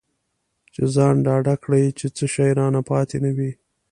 چې ځان ډاډه کړي چې څه شی رانه پاتې نه وي.